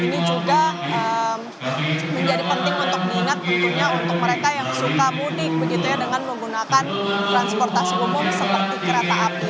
ini juga menjadi penting untuk diingat tentunya untuk mereka yang suka mudik begitu ya dengan menggunakan transportasi umum seperti kereta api